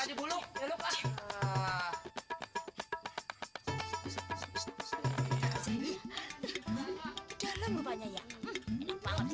duduk dari reason